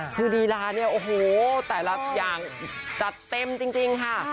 คือลีลาเนี่ยโอ้โหแต่ละอย่างจัดเต็มจริงค่ะ